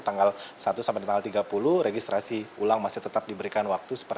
tanggal satu sampai tanggal tiga puluh registrasi ulang masih tetap diberikan waktu